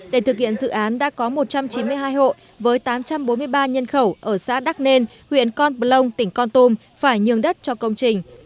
để thực hiện dự án đã có một trăm chín mươi hai hộ với tám trăm bốn mươi ba nhân khẩu ở xã đắc nên huyện con plong tỉnh con tôm phải nhường đất cho công trình